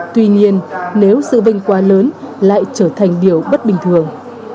tuy nhiên nếu sự vinh quá lớn lại trở thành điều bất bình thường